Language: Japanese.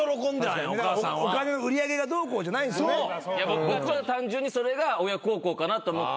僕が単純にそれが親孝行かなと思ったら。